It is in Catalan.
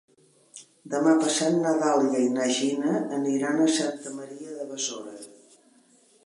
Demà passat na Dàlia i na Gina aniran a Santa Maria de Besora.